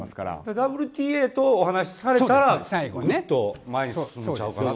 ＷＴＡとお話をされたらもっと前に進むんじゃないかなと。